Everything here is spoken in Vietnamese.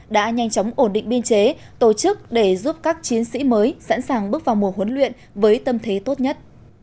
đã nhanh chóng ổn định biên chế tổ chức để giúp các chiến sĩ mới sẵn sàng bước vào mùa huấn luyện với tâm thế tốt nhất